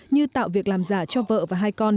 như tạo việc làm giả cho vợ và hai con